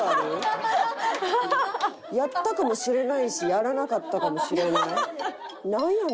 やったかもしれないしやらなかったかもしれない？